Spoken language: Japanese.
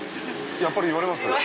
やっぱり言われます